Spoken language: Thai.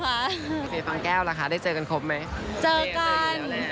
เมสเป็นฟังแก้วครับได้เจอกันครบมั้ย